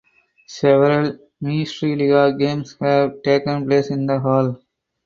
Several Meistriliiga games have taken place in the hall.